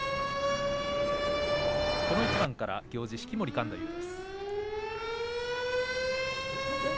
この一番から行司は式守勘太夫です。